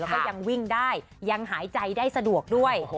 แล้วก็ยังวิ่งได้ยังหายใจได้สะดวกด้วย